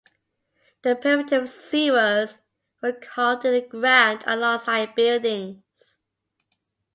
The primitive sewers were carved in the ground alongside buildings.